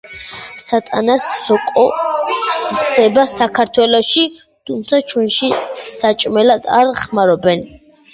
სატანას სოკო გვხვდება საქართველოშიც, თუმცა ჩვენში საჭმელად არ ხმარობენ.